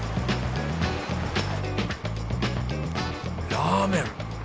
ラーメン。